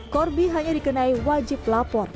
corby hanya dikenai wajib lapor